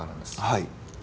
はい。